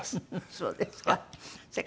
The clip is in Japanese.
そうですか。